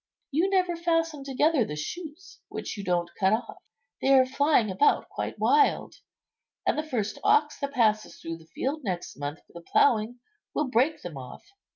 You never fasten together the shoots which you don't cut off, they are flying about quite wild, and the first ox that passes through the field next month for the ploughing will break them off."